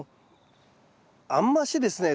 あんましですね